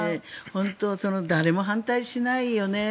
本当誰も反対しないよね。